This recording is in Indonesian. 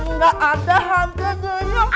nggak ada hantu dulu yuk